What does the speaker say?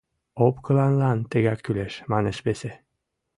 — Опкынлан тыгак кӱлеш! — манеш весе.